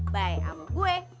baik ama gue